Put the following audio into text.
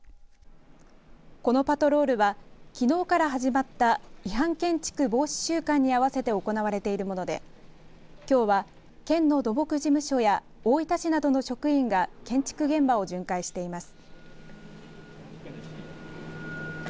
このパトロールはきのうから始まった違反建築防止週間に合わせて行われているものできょうは県の土木事務所や大分市などの職員が建築現場を巡回しています。